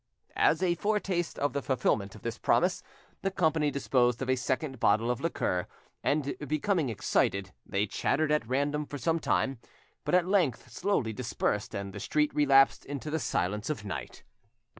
As a foretaste of the fulfilment of this promise, the company disposed of a second bottle of liqueur, and, becoming excited, they chattered at random for some time, but at length slowly dispersed, and the street relapsed into the silence of night.